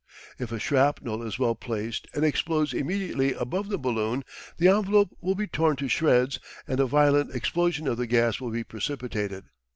If a shrapnel is well placed and explodes immediately above the balloon, the envelope will be torn to shreds and a violent explosion of the gas will be precipitated.